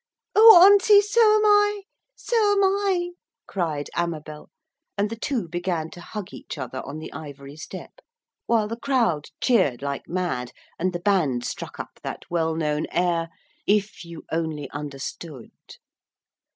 'Oh, Auntie, so am I so am I,' cried Amabel, and the two began to hug each other on the ivory step, while the crowd cheered like mad, and the band struck up that well known air, 'If you only understood!'